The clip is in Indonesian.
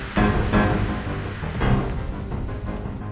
kita mau pergi duluan ya